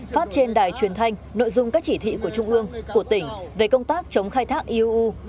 phát trên đài truyền thanh nội dung các chỉ thị của trung ương của tỉnh về công tác chống khai thác eu